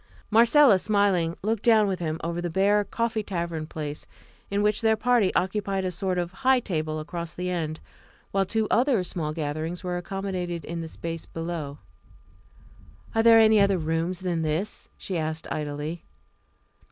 Marcella, smiling, looked down with him over the bare coffee tavern place, in which their party occupied a sort of high table across the end, while two other small gatherings were accommodated in the space below. "Are there any other rooms than this?" she asked idly.